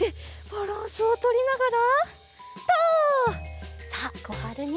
バランスをとりながら。